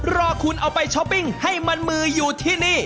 รอคุณเอาไปช้อปปิ้งให้มันมืออยู่ที่นี่